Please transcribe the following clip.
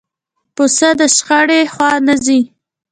پسه د شخړې خوا نه ځي.